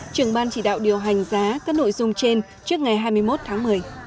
trưởng ban chỉ đạo điều hành giá các nội dung trên trước ngày hai mươi một tháng một mươi